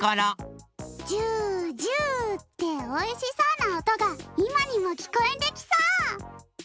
ジュジュっておいしそうなおとがいまにもきこえてきそう！